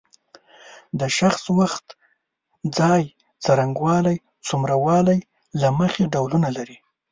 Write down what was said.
د شخص وخت ځای څرنګوالی څومره والی له مخې ډولونه لري.